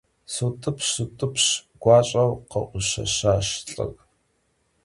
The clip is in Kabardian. Sut'ıpş, sut'ıpş, - guaş'eu khe'uşeşaş lh'ır.